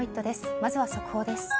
まずは速報です。